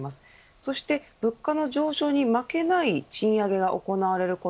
そして物価の上昇に負けない賃上げが行われること。